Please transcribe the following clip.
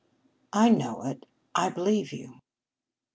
"I know it. I believe you."